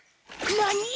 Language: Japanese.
なに！？